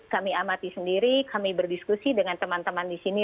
kami amati sendiri kami berdiskusi dengan teman teman di sini